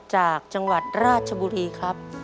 จากจังหวัดราชบุรีครับ